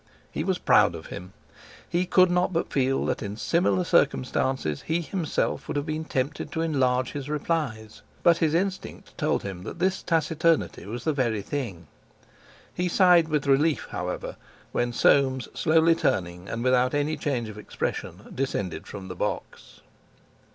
He was proud of him! He could not but feel that in similar circumstances he himself would have been tempted to enlarge his replies, but his instinct told him that this taciturnity was the very thing. He sighed with relief, however, when Soames, slowly turning, and without any change of expression, descended from the box.